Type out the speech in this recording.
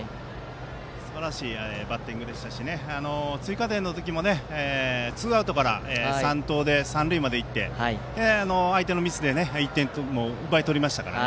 すばらしいバッティングでしたし追加点のときもツーアウトから三盗で三塁まで行って相手のミスで１点を奪い取りましたから。